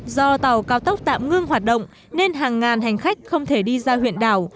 do tàu cao tốc tạm ngưng hoạt động nên hàng ngàn hành khách không thể đi ra huyện đảo